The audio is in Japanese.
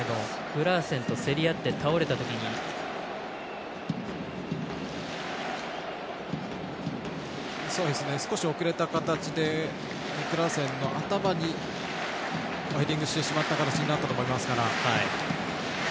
クラーセンと競り合って倒れたときに少し遅れた形でクラーセンの頭にヘディングしてしまった形になったと思いますから。